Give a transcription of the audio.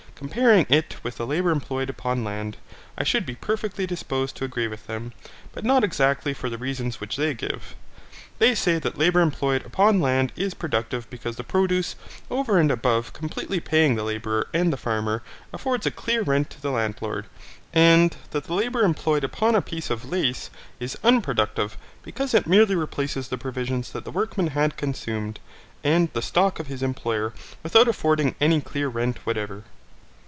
Comparing it with the labour employed upon land, I should be perfectly disposed to agree with them, but not exactly for the reasons which they give. They say that labour employed upon land is productive because the produce, over and above completely paying the labourer and the farmer, affords a clear rent to the landlord, and that the labour employed upon a piece of lace is unproductive because it merely replaces the provisions that the workman had consumed, and the stock of his employer, without affording any clear rent whatever.